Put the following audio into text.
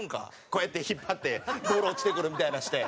こうやって引っ張ってボール落ちてくるみたいなのして。